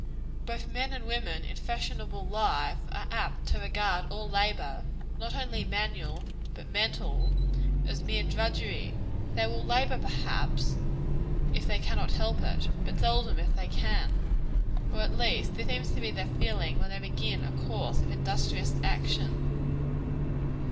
Both men and women, in fashionable life, are apt to regard all labor not only manual, but mental as mere drudgery. They will labor, perhaps, if they cannot help it; but seldom, if they can. Or at least, this seems to be their feeling when they begin a course of industrious action.